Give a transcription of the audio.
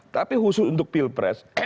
tapi khusus untuk pilpres